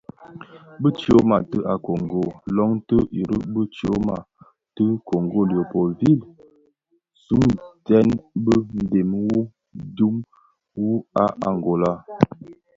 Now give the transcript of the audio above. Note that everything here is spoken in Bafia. Bi tyoma ti a Gabon loň ti irig bi tyoma ti a Kongo Léo Paul Ville zugtèn bi ndem wu dhim wu a Angola.